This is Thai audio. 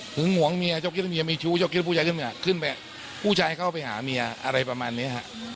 หึงหวังเมียเจ้าคิดว่าเมียมีชู้เจ้าคิดว่าผู้ชายขึ้นเมียผู้ชายเข้าไปหาเมียอะไรประมาณนี้